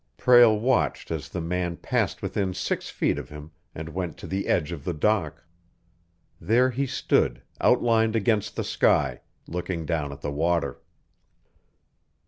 Prale watched as the man passed within six feet of him and went to the edge of the dock. There he stood, outlined against the sky, looking down at the water.